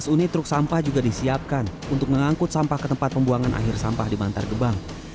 dua belas unit truk sampah juga disiapkan untuk mengangkut sampah ke tempat pembuangan akhir sampah di bantar gebang